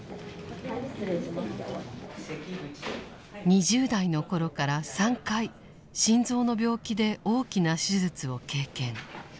２０代の頃から３回心臓の病気で大きな手術を経験。